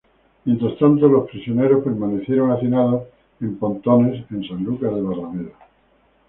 Mientras tanto, los prisioneros permanecieron hacinados en pontones en Sanlúcar de Barrameda.